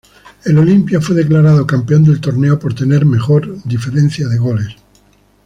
El Olimpia fue declarado campeón del torneo por tener mejor diferencia de goles.